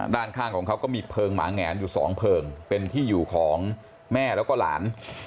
ด้านข้างของเขาก็มีเพลิงหมาแงนอยู่สองเพลิงเป็นที่อยู่ของแม่แล้วก็หลาน